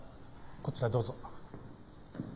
こちらへどうぞ。